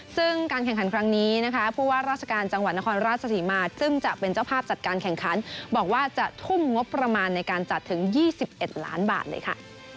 ซึ่งการแข่งขันครั้งนี้นะคะผู้ว่าราชการจังหวัดนครราชศรีมาซึ่งจะเป็นเจ้าภาพจัดการแข่งขันบอกว่าจะทุ่มงบประมาณในการจัดถึง๒๑ล้านบาทเลยค่ะ